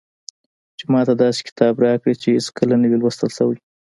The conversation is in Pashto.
چې ماته داسې کتاب راکړي چې هېڅکله نه وي لوستل شوی.